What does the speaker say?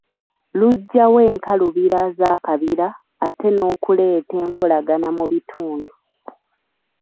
Luggyawo enkalubira z'akabira ate n’okuleeta enkolagana mu bitundu.